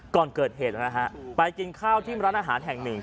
ก่อนเกิดเหตุนะฮะไปกินข้าวที่ร้านอาหารแห่งหนึ่ง